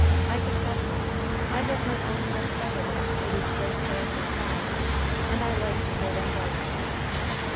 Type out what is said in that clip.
I confess it. I have my own little spider webs for these great lordly flies, and I like to hear them buzz."